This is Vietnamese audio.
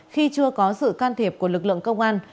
khi chưa có sự can thiệp của lực lượng công an